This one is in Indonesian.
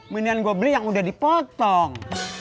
minian gue beli yang udah dipotong